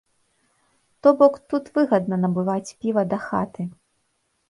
То бок, тут выгадна набываць піва дахаты.